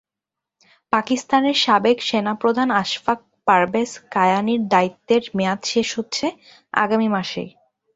পাকিস্তানের সাবেক সেনাপ্রধান আশফাক পারভেজ কায়ানির দায়িত্বের মেয়াদ শেষ হচ্ছে আগামী মাসেই।